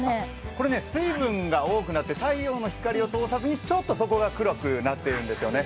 これね、水分が多くなって太陽の光を通さずにちょっとそこが黒くなっているんですよね。